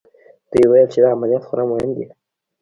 دوی ویل چې دا عملیات خورا مهم دی